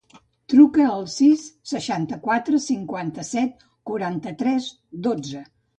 Truca al sis, seixanta-quatre, cinquanta-set, quaranta-tres, dotze.